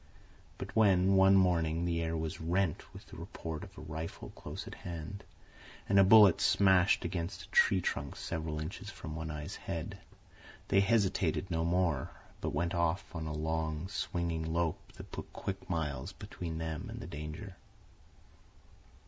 But when, one morning, the air was rent with the report of a rifle close at hand, and a bullet smashed against a tree trunk several inches from One Eye's head, they hesitated no more, but went off on a long, swinging lope that put quick miles between them and the danger.